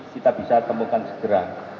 kita bisa temukan segera